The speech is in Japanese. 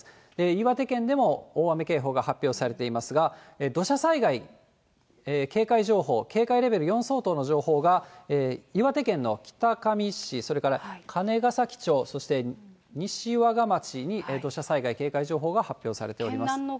岩手県でも大雨警報が発表されていますが、土砂災害警戒情報、警戒レベル４相当の情報が、岩手県の北上市、それから金ヶ崎町、そして西和賀町に土砂災害警戒情報が発表されております。